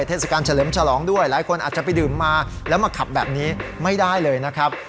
เทศกาลเฉลิมฉลองด้วยหลายคนอาจจะไปดื่มมาแล้วมาขับแบบนี้ไม่ได้เลยนะครับ